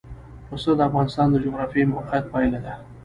پسه د افغانستان د جغرافیایي موقیعت پایله ده.